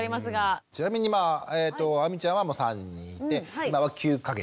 ちなみにまあ亜美ちゃんは３人いて今は９か月？